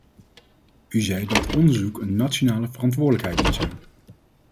U zei dat onderzoek een nationale verantwoordelijkheid moet zijn.